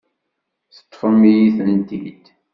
Teṭṭfem-iyi-tent-id.